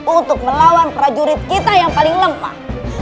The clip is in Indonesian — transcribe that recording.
untuk melawan prajurit kita yang paling lemah